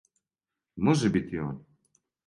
Може бити он.